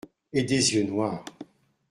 Et des yeux noirs !